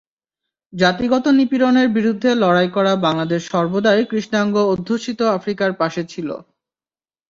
জাতিগত নিপীড়নের বিরুদ্ধে লড়াই করা বাংলাদেশ সর্বদাই কৃষ্ণাঙ্গ অধ্যুষিত আফ্রিকার পাশে ছিল।